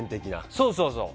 そうそう。